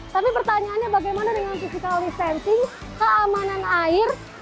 tapi pertanyaannya bagaimana dengan physical distancing keamanan air